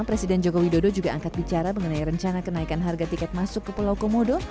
presiden joko widodo juga angkat bicara mengenai rencana kenaikan harga tiket masuk ke pulau komodo